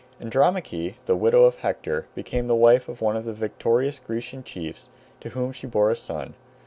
Andromache, the widow of Hector, became the wife of one of the victorious Grecian chiefs, to whom she bore a son.